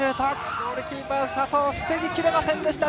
ゴールキーパー、佐藤防ぎきれませんでした。